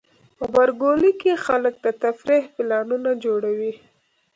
غبرګولی کې خلک د تفریح پلانونه جوړوي.